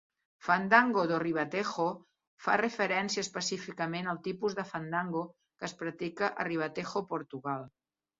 "Fandango do Ribatejo" va referència específicament al tipus de fandango que es practica a Ribatejo, Portugal.